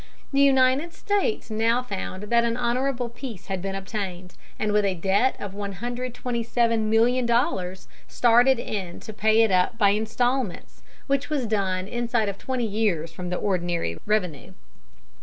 The United States now found that an honorable peace had been obtained, and with a debt of $127,000,000 started in to pay it up by instalments, which was done inside of twenty years from the ordinary revenue.